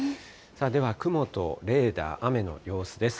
では雲とレーダー、雨の様子です。